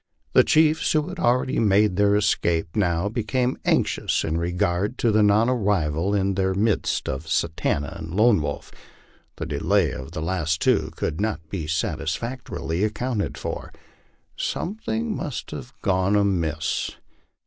The chiefs who had already made their escape now became anxious in regard to the non arrival in their midst of Satanta and Lone Wolf. The delay of the last two could not be satisfactorily accounted for. Something must have gone amiss.